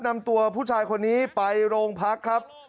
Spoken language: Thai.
นำตัวผู้ชายคนนี้ไปโรงพักครับ